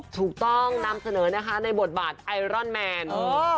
ถูกต้องนำเสนอนะคะในบทบาทไอรอนแมน